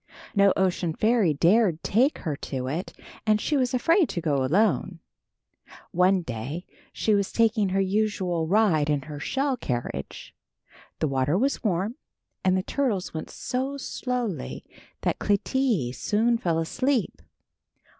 No ocean fairy dared take her to it, and she was afraid to go alone. One day she was taking her usual ride in her shell carriage. The water was warm and the turtles went so slowly that Clytie soon fell asleep.